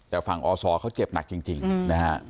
แต่ฝั่งอศเขาเจ็บหนักจริงนะฮะ